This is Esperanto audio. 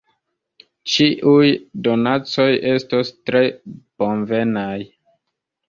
Ĉiuj donacoj estos tre bonvenaj.